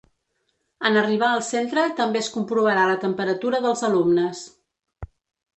En arribar al centre també es comprovarà la temperatura dels alumnes.